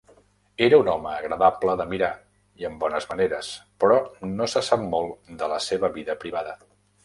Era un home agradable de mirar i amb bones maneres, però no se sap molt de la seva vida privada.